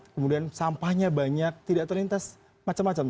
kemudian sampahnya banyak tidak terlintas macam macam